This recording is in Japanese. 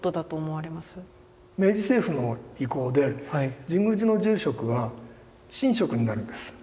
明治政府の意向で神宮寺の住職は神職になるんです。